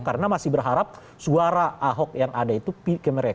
karena masih berharap suara ahok yang ada itu pindah ke mereka